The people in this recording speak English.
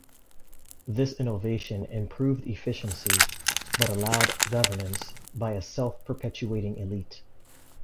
This innovation improved efficiency, but allowed governance by a self-perpetuating elite.